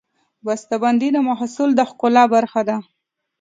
بستهبندي د محصول د ښکلا برخه ده.